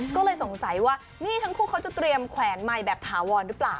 ก็เลยสงสัยว่านี่ทั้งคู่เขาจะเตรียมแขวนใหม่แบบถาวรหรือเปล่า